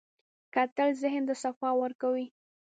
کتل ذهن ته صفا ورکوي